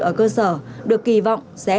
ở cơ sở được kỳ vọng sẽ